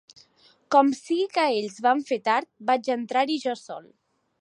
Com sigui que ells van fer tard, vaig entrar-hi jo sol.